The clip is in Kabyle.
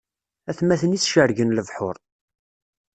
Atmaten-is cergen lebḥuṛ.